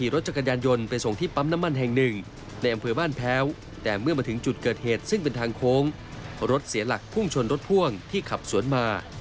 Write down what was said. รถเสียหลักพุ่งชนรถพ่วงที่ขับสวนมา